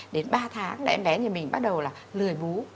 đến ba tháng em bé nhà mình bắt đầu là lười bú